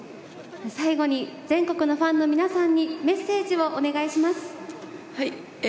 最後に全国のファンの皆さんにメッセージをお願いします。